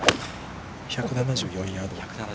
１７４ヤード。